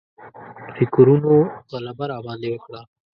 فکرونو غلبه راباندې وکړه.